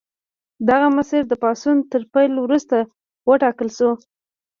دغه مسیر د پاڅون تر پیل وروسته وټاکل شو.